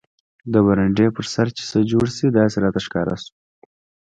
د برنډې پر سر چې څه جوړ شي داسې راته ښکاره شو.